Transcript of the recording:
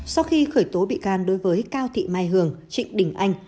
sau khi khởi tố bị can đối với cao thị mai hường trịnh đình anh